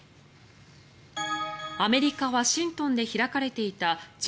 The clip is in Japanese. アメリカ・ワシントンで開かれていたＧ２０・